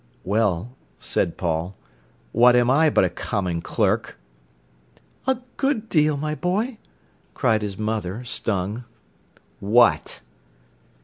"Well," said Paul, "what am I but a common clerk?" "A good deal, my boy!" cried his mother, stung. "What?"